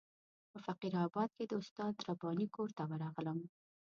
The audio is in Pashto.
په فقیر آباد کې د استاد رباني کور ته ورغلم.